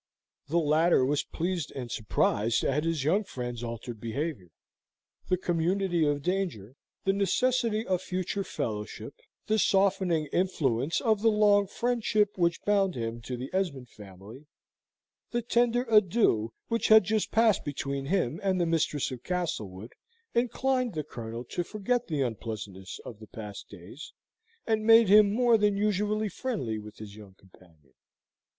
The latter was pleased and surprised at his young friend's altered behaviour. The community of danger, the necessity of future fellowship, the softening influence of the long friendship which bound him to the Esmond family, the tender adieux which had just passed between him and the mistress of Castlewood, inclined the Colonel to forget the unpleasantness of the past days, and made him more than usually friendly with his young companion.